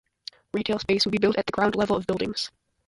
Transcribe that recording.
Retail space would be built at the ground level of buildings.